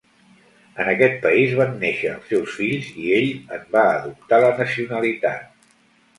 En aquest país van néixer els seus fills i ell en va adoptar la nacionalitat.